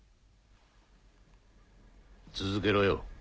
続けろよ。